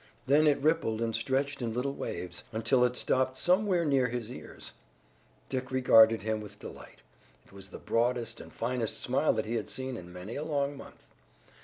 Then it rippled and stretched in little waves, until it stopped somewhere near his ears. Dick regarded him with delight. It was the broadest and finest smile that he had seen in many a long month.